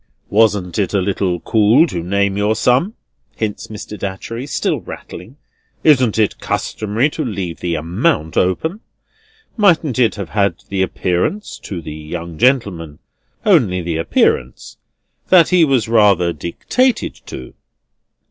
"Wasn't it a little cool to name your sum?" hints Mr. Datchery, still rattling. "Isn't it customary to leave the amount open? Mightn't it have had the appearance, to the young gentleman—only the appearance—that he was rather dictated to?"